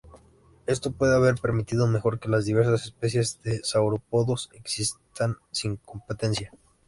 Esto puede haber permitido mejor que las diversas especies de saurópodos existan sin competencia.